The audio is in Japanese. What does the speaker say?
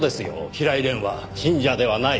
平井蓮は信者ではない。